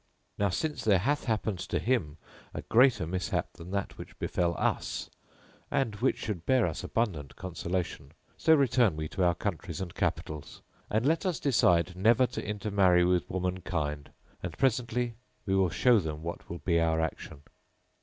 Now since there hath happened to him a greater mishap than that which befel us and which should bear us abundant consolation, so return we to our countries and capitals, and let us decide never to intermarry with womankind and presently we will show them what will be our action."